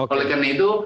oleh karena itu